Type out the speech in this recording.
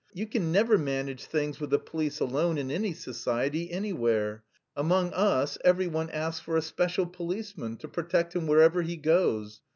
You can never manage things with the police alone in any society, anywhere. Among us every one asks for a special policeman to protect him wherever he goes.